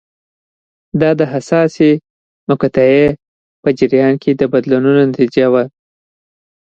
دا د حساسې مقطعې په جریان کې بدلونونو نتیجه وه.